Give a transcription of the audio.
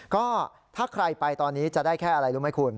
ก็ถ้าใครไปตอนนี้จะได้แค่อะไรรู้ไหมคุณ